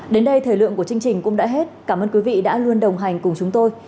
đến đây thời lượng của chương trình cũng đã hết cảm ơn quý vị đã luôn đồng hành cùng chúng tôi